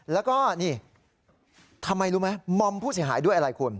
แล้วก็นี่ทำไมรู้ไหมมอมผู้เสียหายด้วยอะไรคุณ